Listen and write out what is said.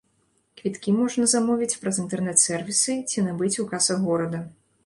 Квіткі можна замовіць праз інтэрнэт-сэрвісы ці набыць у касах горада.